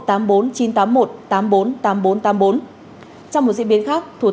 trong một diễn biến khác thủ tướng